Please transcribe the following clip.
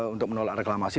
untuk menolak reklamasi